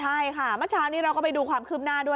ใช่ค่ะเมื่อเช้านี้เราก็ไปดูความคืบหน้าด้วย